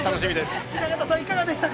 雛形さんいかがでしたか。